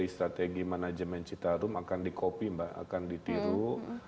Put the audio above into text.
jadi strategi manajemen citarum akan di copy mbak akan ditiru